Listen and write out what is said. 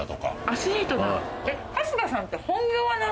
アスリートだ。